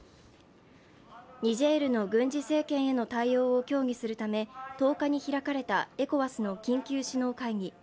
ニジェールの軍事政権への対応を協議するため１０日に開かれたＥＣＯＷＡＳの緊急首脳会議。